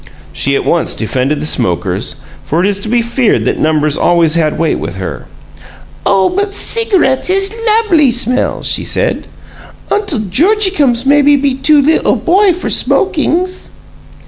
She at once defended the smokers, for it is to be feared that numbers always had weight with her. "Oh, but cigarettes is lubly smell!" she said. "Untle Georgiecums maybe be too 'ittle boy for smokings!"